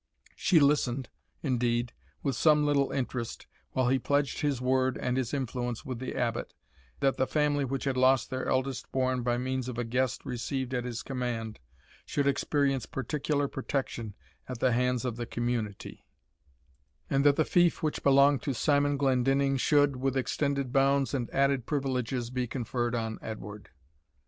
She listened, indeed, with some little interest, while he pledged his word and his influence with the Abbot, that the family which had lost their eldest born by means of a guest received at his command, should experience particular protection at the hands of the community; and that the fief which belonged to Simon Glendinning should, with extended bounds and added privileges, be conferred on Edward.